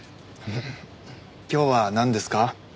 今日はなんですか？